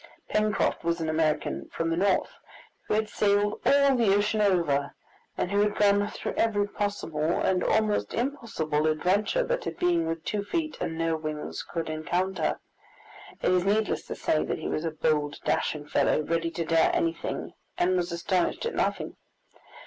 Pencroft was an American from the North, who had sailed all the ocean over, and who had gone through every possible and almost impossible adventure that a being with two feet and no wings would encounter. It is needless to say that he was a bold, dashing fellow, ready to dare anything and was astonished at nothing.